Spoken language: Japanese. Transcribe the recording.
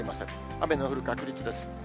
雨の降る確率です。